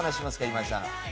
今井さん。